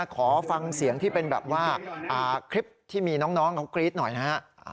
ขอฟังเสียงที่เป็นแบบว่าคลิปที่มีน้องเขากรี๊ดหน่อยนะฮะ